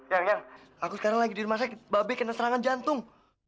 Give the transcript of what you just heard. yang yang aku sekarang lagi di rumah sakit mbak be kena serangan jantung